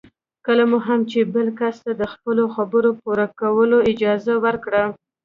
کله مو هم چې بل کس ته د خپلو خبرو پوره کولو اجازه ورکړه.